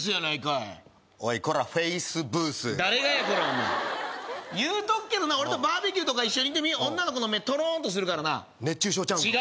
いおいコラフェイスブース誰がやコラお前言うとくけどな俺とバーベキューとか一緒に行ってみ女の子の目とろーんとするからな熱中症ちゃうんか？